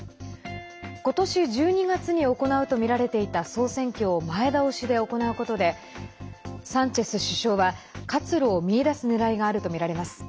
今年１２月に行うとみられていた総選挙を前倒しで行うことでサンチェス首相は活路を見いだすねらいがあるとみられます。